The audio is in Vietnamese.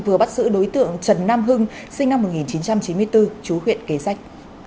vừa bắt giữ đối tượng trần nam hưng sinh năm một nghìn chín trăm chín mươi bốn chú huyện kế sách